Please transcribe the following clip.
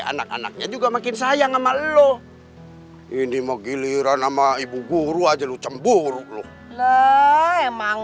anak anaknya juga makin sayang sama lo ini mau giliran sama ibu guru aja lu cemburu lo emang